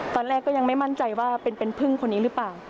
ตอนแรกก็ยังไม่มั่นใจว่าเป็นพึ่งคนนี้หรือเปล่า